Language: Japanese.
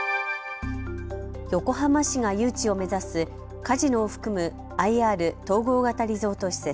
横浜市が誘致を目指すカジノを含むＩＲ・統合型リゾート施設。